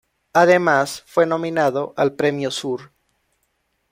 Además fue nominado al premio Sur.